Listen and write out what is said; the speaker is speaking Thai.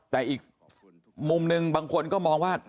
แต่อีกมุมหนึ่งบางคนก็มองว่า